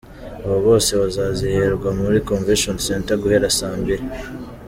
Abo bose bazazihererwa muri Convention Center guhera saa mbiri.